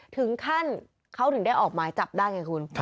ถึงขั้นเขาถึงได้ออกหมายจับได้ไงคุณ